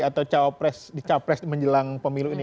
atau capres menjelang pemilu ini